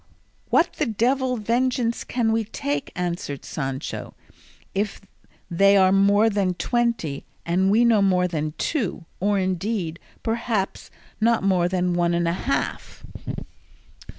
"What the devil vengeance can we take," answered Sancho, "if they are more than twenty, and we no more than two, or, indeed, perhaps not more than one and a half?"